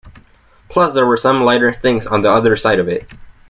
Plus there were some lighter things on the other side of it.